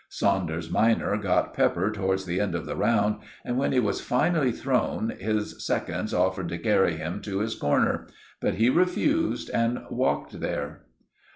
Saunders minor got pepper towards the end of the round, and when he was finally thrown, his seconds offered to carry him to his corner; but he refused, and walked there.